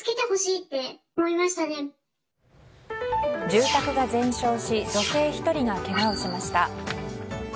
住宅が全焼し女性１人がけがをしました。